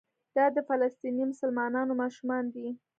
دا د فلسطیني مسلمانانو ماشومان دي.